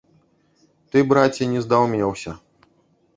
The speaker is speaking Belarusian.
Ты, браце, не здаўмеўся.